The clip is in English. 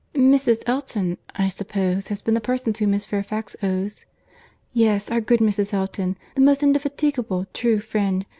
"Mrs. Elton, I suppose, has been the person to whom Miss Fairfax owes—" "Yes, our good Mrs. Elton. The most indefatigable, true friend.